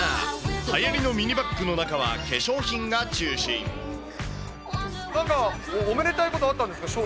はやりのミニバッグの中は化なんか、おめでたいことあったんですか？